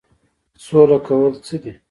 سوله کول څه دي؟